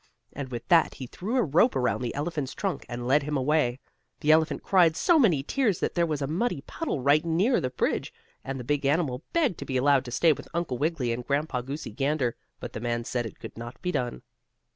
And with that he threw a rope around the elephant's trunk, and led him away. The elephant cried so many tears that there was a muddy puddle right near the bridge, and the big animal begged to be allowed to stay with Uncle Wiggily and Grandpa Goosey Gander, but the man said it could not be done.